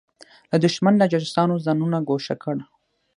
له دښمن له جاسوسانو ځانونه ګوښه کړو.